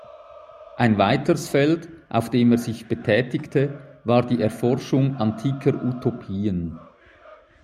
Ein weiteres Feld, auf dem er sich betätigte, war die Erforschung antiker Utopien.